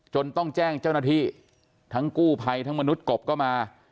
ต้องแจ้งเจ้าหน้าที่ทั้งกู้ภัยทั้งมนุษย์กบก็มา